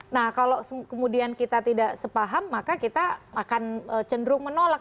nah kalau kemudian kita tidak sepaham maka kita akan cenderung menolak